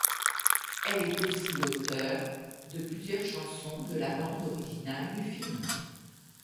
Elle est aussi l'auteure de plusieurs chansons de la bande originale du film.